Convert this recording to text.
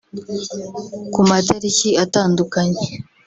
ku matariki atandukanye